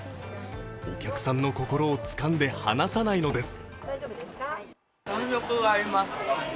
お客さんの心をつかんで離さないのです。